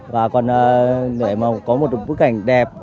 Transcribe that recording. và còn để có một bức ảnh đẹp